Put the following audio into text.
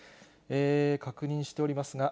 確認しておりますが。